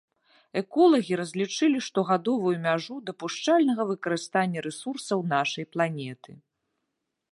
Эколагі разлічылі штогадовую мяжу дапушчальнага выкарыстання рэсурсаў нашай планеты.